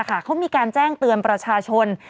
เขามีการแจ้งเตือนประชาชน